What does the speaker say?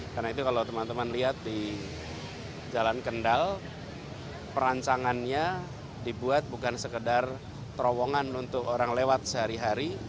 karena itu kalau teman teman lihat di jalan kendal perancangannya dibuat bukan sekedar terowongan untuk orang lewat sehari hari